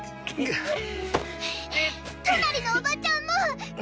トナリのおばちゃんも！